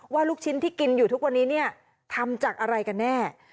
ลูกชิ้นที่กินอยู่ทุกวันนี้เนี่ยทำจากอะไรกันแน่